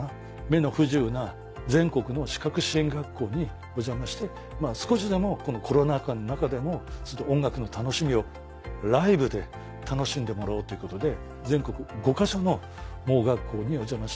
目の不自由な全国の視覚支援学校にお邪魔して少しでもこのコロナ禍の中でも音楽の楽しみをライブで楽しんでもらおうということで。